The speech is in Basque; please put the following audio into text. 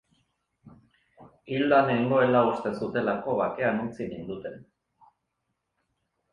Hilda nengoela uste zutelako bakean utzi ninduten.